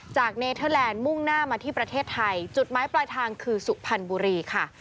เนเทอร์แลนด์มุ่งหน้ามาที่ประเทศไทยจุดไม้ปลายทางคือสุพรรณบุรีค่ะ